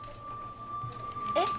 えっ？